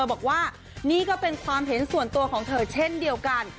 บอกว่านี่ก็เป็นความเห็นส่วนตัวของเธอเช่นเดียวกัน